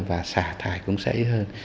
và sẽ tăng dần hơn